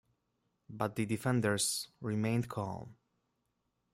But the defenders remained calm.